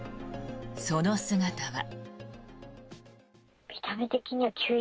その姿は。